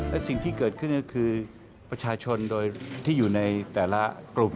และสิ่งที่เกิดขึ้นก็คือประชาชนโดยที่อยู่ในแต่ละกลุ่ม